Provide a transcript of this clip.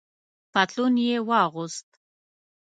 پتلون یې واغوست.